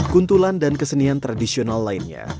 kuntulan dan kesenian tradisional lainnya